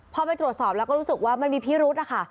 พอไปตรวจสอบแล้วก็รู้สึกว่ามันมีพิรุธนะคะ